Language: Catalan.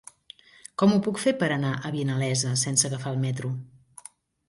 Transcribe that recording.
Com ho puc fer per anar a Vinalesa sense agafar el metro?